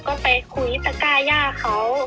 ก็ไปคุยตะก้าย่าเขา